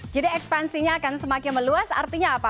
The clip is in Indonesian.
jadi ekspansinya akan semakin meluas artinya apa